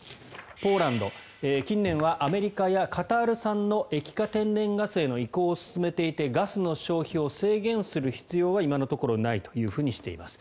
ポーランド、近年はアメリカやカタール産の液化天然ガスへの移行を進めていてガスの消費を制限する必要は今のところないというふうにしています。